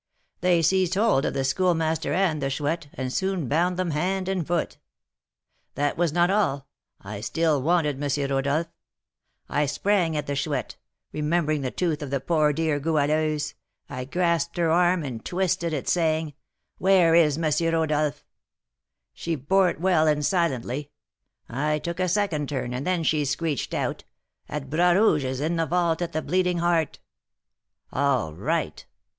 They seized hold of the Schoolmaster and the Chouette, and soon bound them hand and foot. That was not all, I still wanted M. Rodolph. I sprang at the Chouette; remembering the tooth of the poor dear Goualeuse, I grasped her arm and twisted it, saying, 'Where is M. Rodolph?' She bore it well, and silently. I took a second turn, and then she screeched out, 'At Bras Rouge's, in the vault at the Bleeding Heart!' All right!